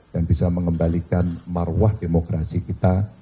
dan bisa mengembalikan marwah demokrasi kita